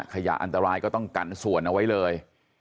ขยะอันตรายก็ต้องกันส่วนเอาไว้เลย